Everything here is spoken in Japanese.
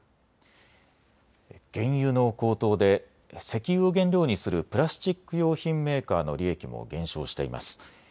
原油の高騰で石油を原料にするプラスチック用品メーカーの利益も減少しています。